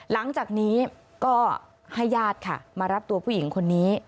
หลังจากนี้ก็ให้ญาติค่ะมารับตัวผู้หญิงคนนี้